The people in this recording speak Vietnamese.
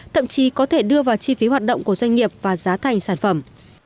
thậm chí có thể đưa vào chi phí hoạt động của doanh nghiệp và giá thành sản phẩm